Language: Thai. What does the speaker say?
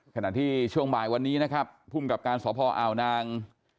ขณะที่ช่วงบ่ายวันนี้นะครับภูมิกับการสพอ่าวนาง